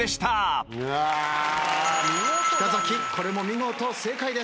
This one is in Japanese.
北崎これも見事正解です。